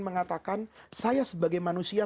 mengatakan saya sebagai manusia